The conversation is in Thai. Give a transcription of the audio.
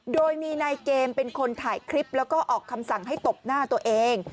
โดยมีนายเกมเป็นคนถ่ายคลิปแล้วก็ออกคำสั่งให้ตบหน้าตัวเอง